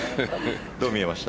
どう見ました。